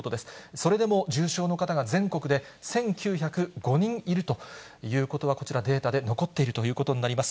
それでも重症の方が全国で１９０５人いるということは、こちら、データで残っているということになります。